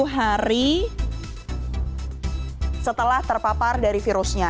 tujuh hari setelah terpapar dari virusnya